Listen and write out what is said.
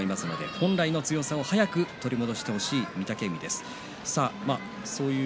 本来の強さを取り戻してほしい御嶽海です。